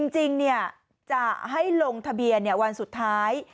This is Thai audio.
จริงจะให้ลงทะเบียนวันสุดท้าย